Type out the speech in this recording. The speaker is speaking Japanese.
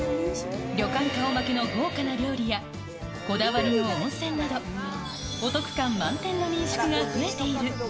旅館顔負けの豪華な料理や、こだわりの温泉など、お得感満点の民宿が増えている。